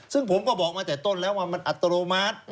ซึ่งผมก็บอกมาแต่ต้นแล้วว่ามันอัตโนมัติ